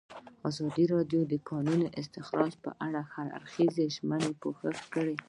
ازادي راډیو د د کانونو استخراج په اړه د هر اړخیز پوښښ ژمنه کړې.